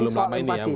ini soal yang mati